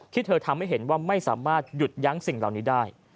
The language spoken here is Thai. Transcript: ที่เธอทำให้เห็นว่าไม่สามารถหยุดยั้งสิ่งเหล่านี้ได้